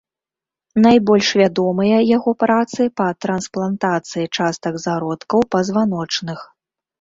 Найбольш вядомыя яго працы па трансплантацыі частак зародкаў пазваночных.